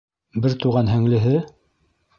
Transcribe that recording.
Бер туған һеңлеһе?